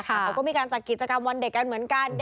เขาก็มีการจัดกิจกรรมวันเด็กกันเหมือนกัน